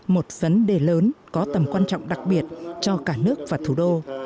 một vấn đề lớn có tầm quan trọng đặc biệt cho cả nước và thủ đô